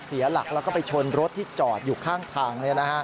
เสียหลักแล้วก็ไปชนรถที่จอดอยู่ข้างทาง